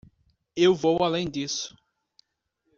Eu vou além disso.